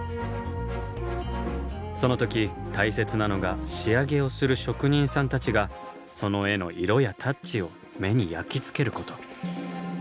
その時大切なのが仕上げをする職人さんたちがその絵の色やタッチを目に焼きつけること。